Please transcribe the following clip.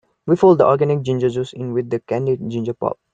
We fold the organic ginger juice in with the candied ginger pulp.